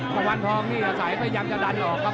วันทองนี่อาศัยพยายามจะดันออกครับ